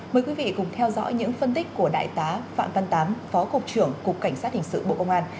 mời quý vị cùng theo dõi những phân tích của đại tá phạm văn tám phó cục trưởng cục cảnh sát hình sự bộ công an